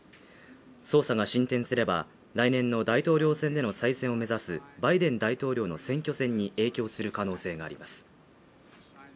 捜査が進展すれば来年の大統領選での再選を目指すバイデン大統領の選挙戦に影響する可能性があります